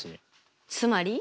つまり？